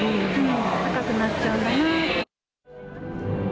高くなっちゃうんだなと。